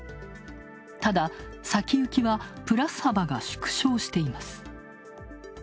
ただ、先行きはプラス幅が縮小しています。